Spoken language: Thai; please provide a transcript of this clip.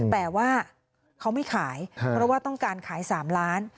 แต่ว่าเขาไม่ขายเพราะว่าต้องการขาย๓ล้าน